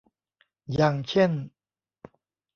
อย่างเช่น